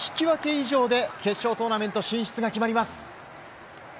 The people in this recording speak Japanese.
以上で決勝トーナメント進出が決まります。